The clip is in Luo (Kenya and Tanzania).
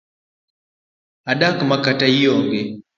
Adak makata ionge.